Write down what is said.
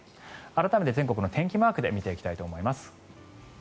改めて全国の天気マークで見ていきたいと思います。